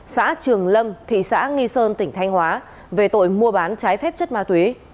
xã trường lâm thị xã nghi sơn tỉnh thanh hóa về tội mua bán trái phép chất ma túy